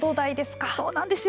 そうなんですよ。